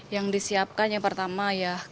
yang disiapkan yang pertama ya